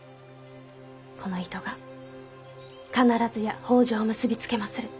この糸が必ずや北条を結び付けまする。